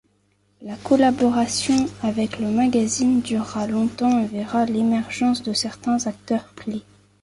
La collaboration avec le magazine durera longtemps et verra l'émergence de certains acteurs clés.